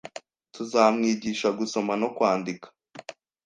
Tuzamwigisha gusoma no kwandika.